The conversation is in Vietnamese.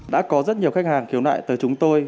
đã có rất nhiều khách hàng khiếu nại tới chúng tôi